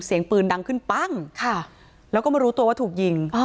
เสียงปืนดังขึ้นปั้งค่ะแล้วก็มารู้ตัวว่าถูกยิง